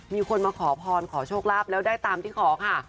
มีคนมาขอพรขอโชคลาภแล้วได้ตามที่ขอค่ะ